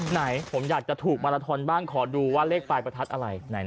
ไหนผมอยากจะถูกมาลาทอนบ้างขอดูว่าเลขปลายประทัดอะไร